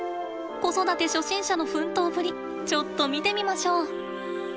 子育て初心者の奮闘ぶりちょっと見てみましょう。